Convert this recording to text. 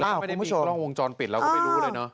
แล้วคุณผู้ชมไม่ได้มีกล้องวงจรปิดเราก็ไม่รู้เลยเนอะ